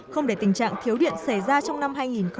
không để tình trạng thiếu điện xảy ra trong năm hai nghìn một mươi chín